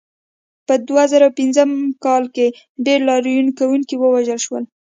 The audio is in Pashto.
په دوه زره پنځه کال کې ډېر لاریون کوونکي ووژل شول.